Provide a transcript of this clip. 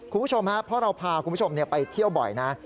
คุณผู้ชมครับเพราะเราพาคุณผู้ชมไปเที่ยวบ่อยนะ